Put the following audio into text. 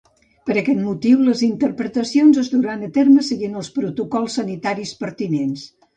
Per aquest motiu, les interpretacions es duran a terme seguint els protocols sanitaris pertinents.